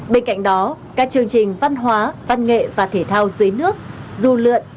bên cạnh đó các chương trình văn hóa văn nghệ và thể thao dưới nước dù lượn